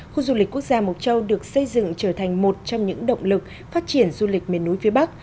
khu du lịch quốc gia mộc châu được xây dựng trở thành một trong những động lực phát triển du lịch miền núi phía bắc